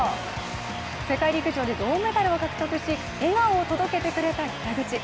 世界陸上で銅メダルを獲得し笑顔を届けてくれた北口。